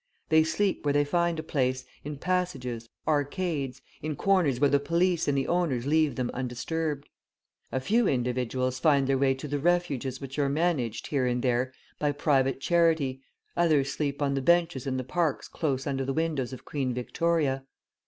They sleep where they find a place, in passages, arcades, in corners where the police and the owners leave them undisturbed. A few individuals find their way to the refuges which are managed, here and there, by private charity, others sleep on the benches in the parks close under the windows of Queen Victoria.